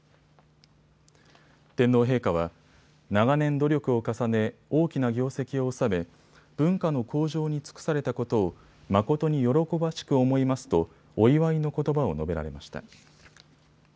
天皇陛下は、長年努力を重ね、大きな業績をおさめ文化の向上に尽くされたことをまことに喜ばしく思いますとお祝いのことばを述べられました。